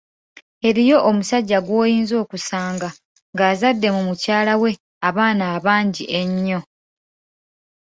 Eriyo omusajja gw’oyinza okusanga ng’azadde mu mukyala we abaana abangi ennyo.